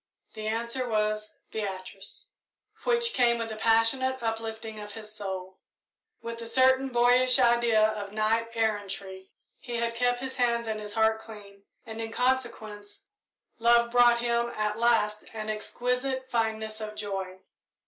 The answer was "Beatrice," which came with a passionate uplifting of soul. With a certain boyish idea of knight errantry, he had kept his hands and his heart clean, and, in consequence, love brought to him at last an exquisite fineness of joy.